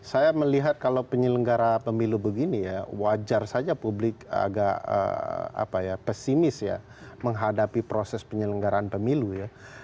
saya melihat kalau penyelenggara pemilu begini ya wajar saja publik agak pesimis ya menghadapi proses penyelenggaraan pemilu ya